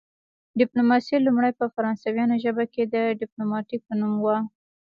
ډیپلوماسي لومړی په فرانسوي ژبه کې د ډیپلوماتیک په نوم وه